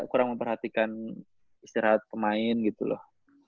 kurang memperhatikan istirahat pemain gitu loh